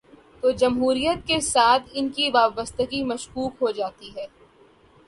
تو جمہوریت کے ساتھ ان کی وابستگی مشکوک ہو جا تی ہے۔